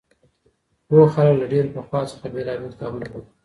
پوه خلګ له ډېر پخوا څخه بېلابېل کتابونه لولي.